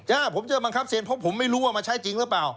ผมจะบังคับเซ็นเพราะผมไม่รู้ว่ามาใช้จริงหรือเปล่า